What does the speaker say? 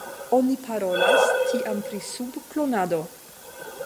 Oni parolas tiam pri sub-klonado.